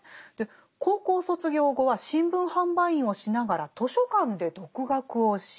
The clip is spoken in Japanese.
高校卒業後は新聞販売員をしながら図書館で独学をしＳＦを書いていったと。